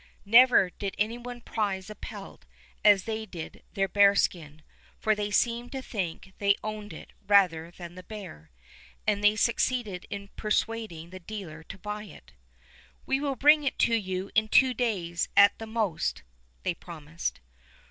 Never did any one prize a pelt as they did their bearskin, for they seemed to think they owned it rather than the bear, and they succeeded in persuading the dealer to buy it. 92 Fairy Tale Bears "We will bring it to you in two days at most," they promised.